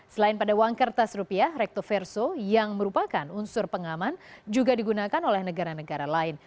selain pada uang kertas rupiah recto verso yang merupakan unsur pengaman juga digunakan oleh negara negara lain